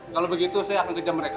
kalau begitu saya akan kejar mereka